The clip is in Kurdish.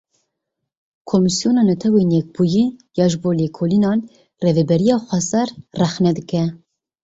Komîsyona Netewên Yekbûyî ya ji bo lêkolînan Rêveberiya Xweser rexne dike.